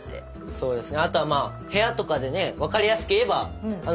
そうですね。